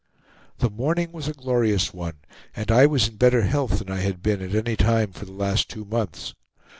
The morning was a glorious one, and I was in better health than I had been at any time for the last two months.